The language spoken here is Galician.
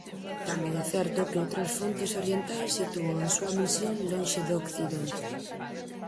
Tamén é certo que outras fontes orientais sitúan a súa misión lonxe de occidente.